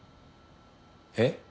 えっ？